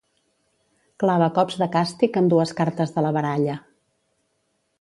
Clava cops de càstig amb dues cartes de la baralla.